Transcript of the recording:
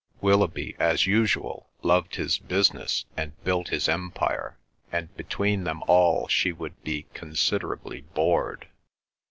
Willoughby, as usual, loved his business and built his Empire, and between them all she would be considerably bored.